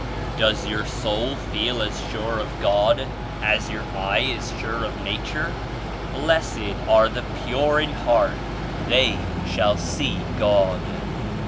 Does your soul feel as sure of God as your eye is sure of Nature? 'Blessed are the pure in heart; they shall see God.'